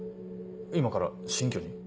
今から新居に？